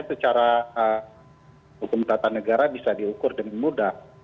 secara hukum tata negara bisa diukur dengan mudah